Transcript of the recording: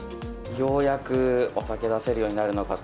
ようやくお酒出せるようになるのかと。